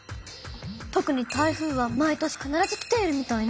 とくに台風は毎年かならず来ているみたいね。